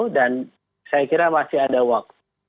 dan saya kira masih ada waktu